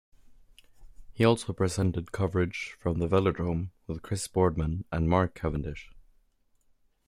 He also presented coverage from the Velodrome with Chris Boardman and Mark Cavendish.